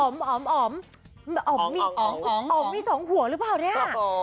อ๋อมมีอ๋อมมีสองหัวหรือเปล่าเนี่ย